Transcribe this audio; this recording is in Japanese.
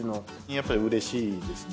やっぱりうれしいですね。